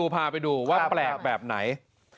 พาไปดูว่าแปลกแบบไหน